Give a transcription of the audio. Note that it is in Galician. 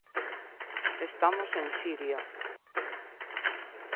Estamos en Siria.